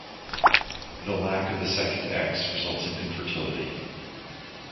The lack of the second X results in infertility.